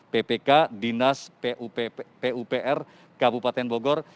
ppk dinas pupr kabupaten bogor